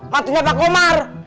matunya pak umar